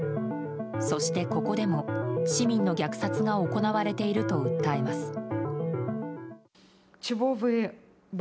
そして、ここでも市民の虐殺が行われていると訴えます。